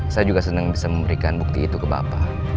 saya juga senang bisa memberikan bukti itu ke bapak